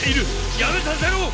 やめさせろ！